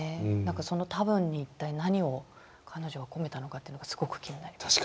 その「たぶん」に一体何を彼女は込めたのかっていうのがすごく気になります。